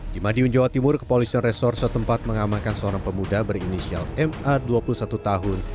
di madiun jawa timur kepolisian resor setempat mengamankan seorang pemuda berinisial ma dua puluh satu tahun